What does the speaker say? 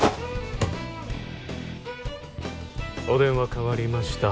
お電話代わりました